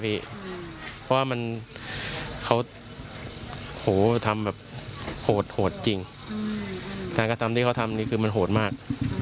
เพราะว่ามันเขาโหทำแบบโหดจริงการกระทำที่เขาทำนี่คือมันโหดมาก